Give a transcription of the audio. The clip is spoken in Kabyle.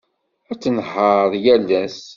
Ad tnehheṛ yal ass.